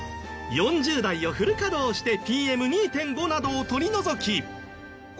４０台をフル稼働してＰＭ２．５などを取り除き。